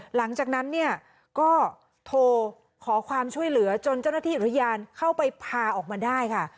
หลังจากนั้นเนี่ยก็โทรขอความช่วยเหลือจนเจ้าหน้าที่อุทยานเข้าไปพาออกมาได้ค่ะ